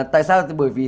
tại sao bởi vì